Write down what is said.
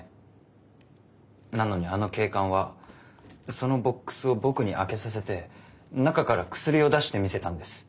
なのにあの警官はそのボックスを僕に開けさせて中からクスリを出して見せたんです。